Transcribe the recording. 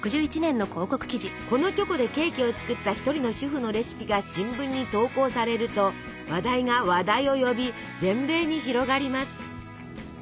このチョコでケーキを作った一人の主婦のレシピが新聞に投稿されると話題が話題を呼び全米に広がります。